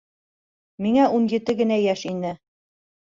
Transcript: Миңә ун ете генә йәш ине.